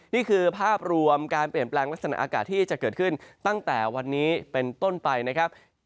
นี่คือภาพรวมการเปลี่ยนแปลงลักษณะอากาศที่จะเกิดขึ้นตั้งแต่วันนี้เป็นต้นไปนะครับ